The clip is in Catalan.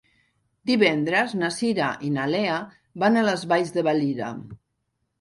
Divendres na Cira i na Lea van a les Valls de Valira.